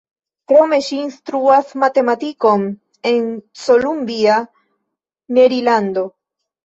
Krome ŝi instruas matematikon en Columbia, Marilando.